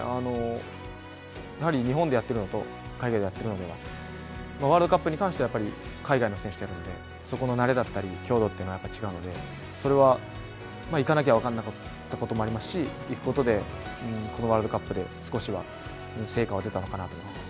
日本でやっているのと海外でやっているのではワールドカップに関しては海外の選手とやるので、そこの慣れだったり強度というのは違うのでそれは行かなきゃ分からなかったこともありますし行くことでこのワールドカップで少しは成果が出たのかなと思います。